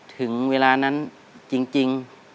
ถึงเวลานั้นจริง